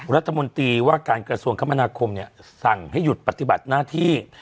รัฐมนตรีว่าการกระทรวงคมนาคมสั่งให้หยุดปฏิบัติหน้าที่